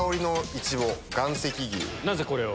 なぜこれを？